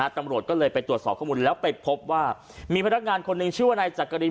ตำรวจก็เลยไปตรวจสอบข้อมูลแล้วไปพบว่ามีพนักงานคนหนึ่งชื่อว่านายจักริน